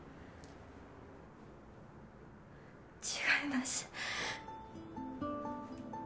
違います。